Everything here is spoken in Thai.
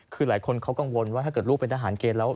คือหลายคนเขากังวลว่าถ้าเกิดลูกเป็นทหารเกณฑ์แล้ว